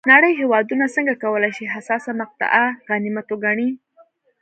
نړۍ هېوادونه څنګه کولای شي حساسه مقطعه غنیمت وګڼي.